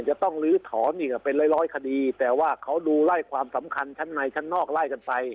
จะต้องลื้อถอนอีกเป็นร้อยคดีแต่ว่าเขาดูไล่ความสำคัญชั้นในชั้นนอกไล่กันไป